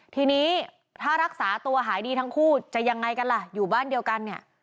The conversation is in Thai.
ทีนี้ถ้ารักษาตัวหายดีทั้งคู่จะยังไงกันล่ะอยู่บ้านเดียวกันเนี่ย